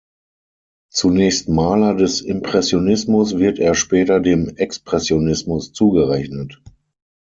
Zunächst Maler des Impressionismus wird er später dem Expressionismus zugerechnet.